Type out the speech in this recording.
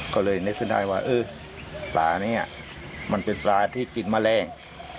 ก็เลยนักศึกษาว่าปลานี้มันเป็นปลาที่กินแมลง